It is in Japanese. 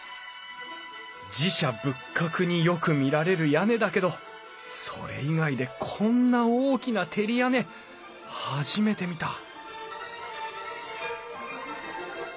寺社仏閣によく見られる屋根だけどそれ以外でこんな大きな照り屋根初めて見た！